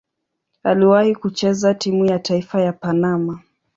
Aliwahi kucheza timu ya taifa ya Panama.